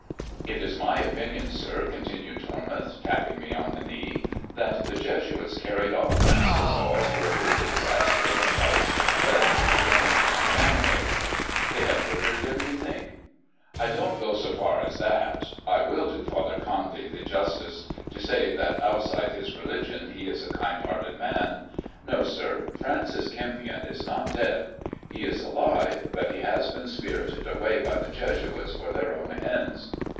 It is my opinion, sir,*' continued Tormouth, tapping me on the knee, "that the Jesuits carried off Francis so as to avert the disaster of a Protestant head to the Kempion family." " They have murdered him, you think ]"" I don't go so far as that. I will do Father Condy the justice to say that outside his religion he is a kind hearted man. No, sir, Francis Kempion is not dead ! He is alive, but he has been spirited away by the Jesuits for their own ends."